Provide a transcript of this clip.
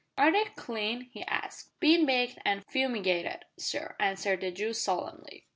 "Are they clean?" he asked. "Bin baked and fumigated, sir," answered the Jew solemnly.